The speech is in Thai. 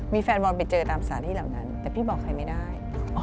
มีแฟนบอลไปเจอตามสถานที่เหล่านั้นแต่พี่บอกใครไม่ได้